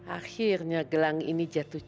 akhirnya gelang ini jatuh